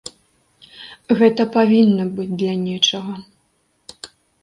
Гэта павінна быць для нечага.